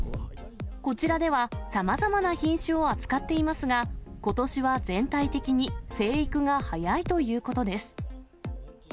こちらでは、さまざまな品種を扱っていますが、ことしは全体的に生育が早いということです。